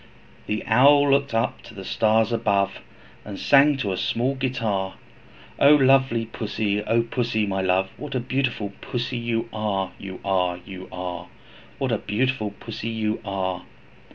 The Owl looked up to the stars above, And sang to a small guitar, 'O lovely Pussy! O Pussy, my love, What a beautiful Pussy you are, You are, You are! What a beautiful Pussy you are.'